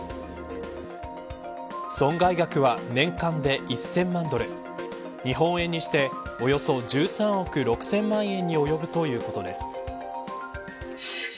損害額は年間で１０００万ドル日本円にしておよそ１３億６０００万円に及ぶということです。